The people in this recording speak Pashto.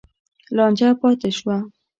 لانجه پاتې شوه.